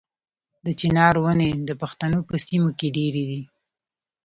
د چنار ونې د پښتنو په سیمو کې ډیرې دي.